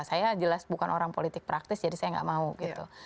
saya jelas bukan orang politik praktis jadi saya nggak mau gitu